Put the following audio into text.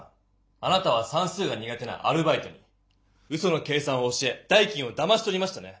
あなたはさんすうが苦手なアルバイトにうその計算を教え代金をだましとりましたね？